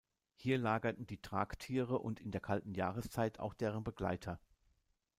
Hier lagerten die Tragtiere und in der kalten Jahreszeit auch deren Begleiter.